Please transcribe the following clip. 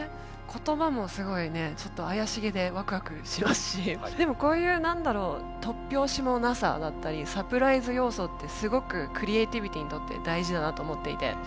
言葉もすごいねちょっと怪しげでワクワクしますしでもこういう何だろう突拍子のなさだったりサプライズ要素ってすごくクリエーティビティーにとって大事だなと思っていて。